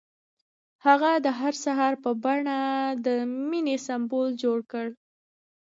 هغه د سهار په بڼه د مینې سمبول جوړ کړ.